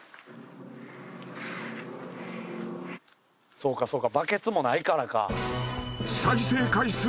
そうかそうかバケツもないからか。